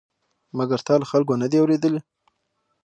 مګر تا له خلکو نه دي اورېدلي؟